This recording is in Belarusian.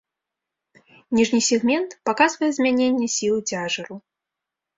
Ніжні сегмент паказвае змяненне сілы цяжару.